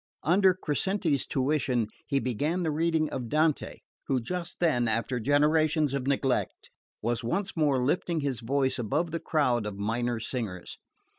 Under Crescenti's tuition he began the reading of Dante, who just then, after generations of neglect, was once more lifting his voice above the crowd of minor singers.